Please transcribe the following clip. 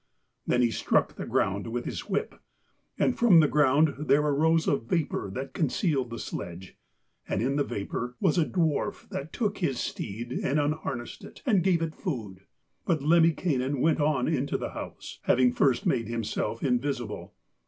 Then he struck on the ground with his whip, and from the ground there arose a vapour that concealed the sledge, and in the vapour was a dwarf that took his steed and unharnessed it and gave it food. But Lemminkainen went on into the house, having first made himself invisible.